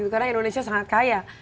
karena indonesia sangat kaya